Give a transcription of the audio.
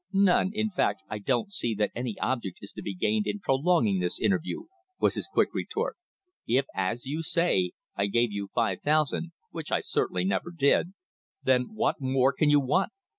"None. In fact I don't see that any object is to be gained in prolonging this interview," was his quick retort. "If, as you say, I gave you five thousand which I certainly never did then what more can you want?